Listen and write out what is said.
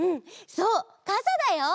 そうかさだよ！